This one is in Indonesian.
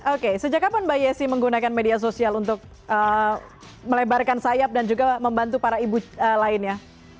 oke sejak kapan mbak yesi menggunakan media sosial untuk melebarkan sayap dan juga membantu para ibu lainnya